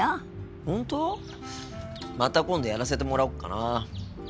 また今度やらせてもらおうかな。